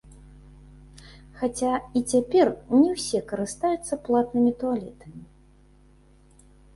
Хаця і цяпер не ўсе карыстаюцца платнымі туалетамі.